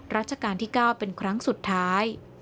ราชการที่๙เป็นครั้งสุดท้าย